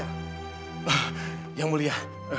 ah yang mulia